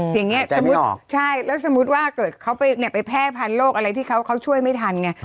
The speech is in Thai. อย่างนี้สมมุติใช่แล้วสมมุติว่าเกิดเขาไปแพร่พันธโรคอะไรที่เขาช่วยไม่ทันไง